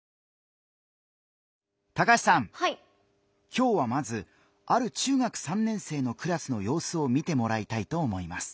今日はまずある中学３年生のクラスのようすを見てもらいたいと思います。